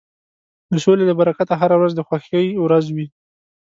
د سولې له برکته هره ورځ د خوښۍ ورځ وي.